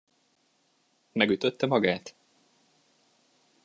Megütötte magát?